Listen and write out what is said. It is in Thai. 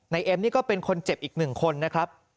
เอ็มนี่ก็เป็นคนเจ็บอีกหนึ่งคนนะครับ